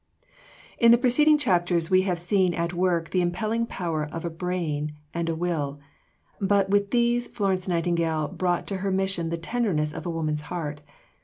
In the preceding chapters we have seen at work the impelling power of a brain and a will; but, with these, Florence Nightingale brought to her mission the tenderness of a woman's heart.